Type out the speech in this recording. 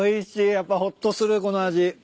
やっぱほっとするこの味。